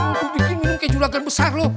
gue bikin minum kayak juragan besar lo